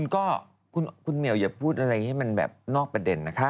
ก็คุณเหมียวอย่าพูดอะไรให้มันแบบนอกประเด็นนะคะ